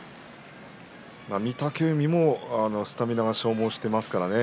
御嶽海スタミナを消耗していますからね。